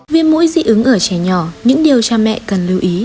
viêm mũi dị ứng ở trẻ nhỏ những điều cha mẹ cần lưu ý